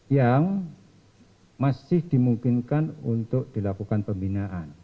yang masih dimungkinkan untuk dilakukan pembinaan